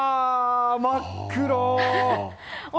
真っ黒！